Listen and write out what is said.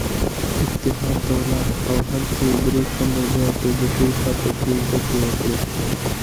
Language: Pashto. اتحاد ته ولاړ او هلته يې درې کاله د پيلوټۍ برخه کې زدکړې وکړې.